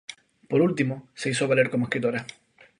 Por último se hizo valer como escritora.